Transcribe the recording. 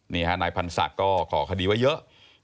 นายพันศักดิ์ก็ก่อคดีไว้เยอะ